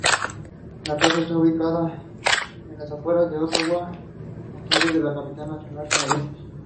South Korea entered sixteen athletes into the table tennis competition at the games.